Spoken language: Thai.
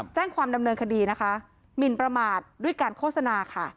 แจ้งความดำเนินคดีนะคะหมินประมาทด้วยการโฆษณาค่ะ